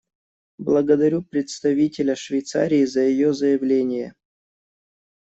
Благодарю представителя Швейцарии за ее заявление.